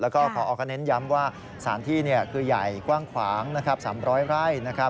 แล้วก็พอก็เน้นย้ำว่าสถานที่คือใหญ่กว้างขวาง๓๐๐ไร่